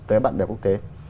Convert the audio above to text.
tới bạn bè quốc tế